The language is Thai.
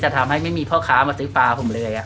ทำให้ไม่มีพ่อค้ามาซื้อปลาผมเลย